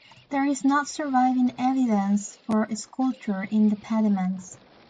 There is no surviving evidence for sculpture in the pediments.